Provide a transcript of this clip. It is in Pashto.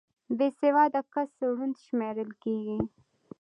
بې سواده کس ړوند شمېرل کېږي